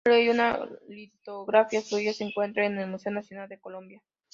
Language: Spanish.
Un óleo y una litografía suya se encuentran en el Museo Nacional de Colombia.